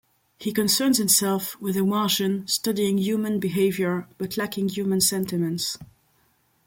He concerns himself with a Martian, studying human behavior, but lacking human sentiments.